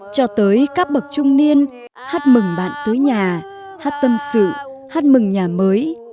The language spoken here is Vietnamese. cho tới các bậc trung niên hát mừng bạn tứ nhà hát tâm sự hát mừng nhà mới